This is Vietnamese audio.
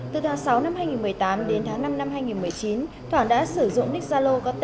từ tháng sáu năm hai nghìn một mươi tám đến tháng năm năm hai nghìn một mươi chín thoảng đã sử dụng nixalo